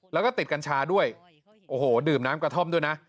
แล้วก็ติดกัญชาด้วยโอ้โหดื่มน้ำกระท่อมด้วยนะ